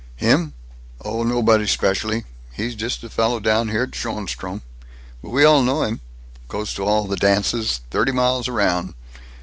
"Him? Oh, nobody 'specially. He's just a fellow down here at Schoenstrom. But we all know him. Goes to all the dances, thirty miles around.